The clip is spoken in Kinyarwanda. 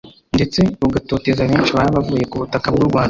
ndetse bugatoteza benshi baba bavuye ku butaka bw’u Rwanda